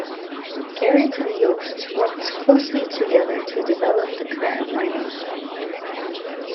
Garrett and Yost worked closely together to develop the current lineup.